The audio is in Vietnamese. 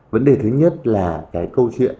vấn đề thứ nhất là cái câu chuyện